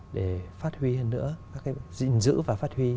để phát huy hơn nữa các cái dịnh dữ và phát huy